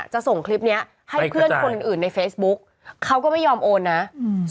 ส่งคลิปเนี้ยให้เพื่อนคนอื่นอื่นในเฟซบุ๊กเขาก็ไม่ยอมโอนนะอืม